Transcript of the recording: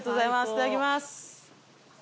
いただきます。